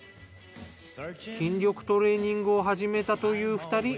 筋力トレーニングを始めたという２人。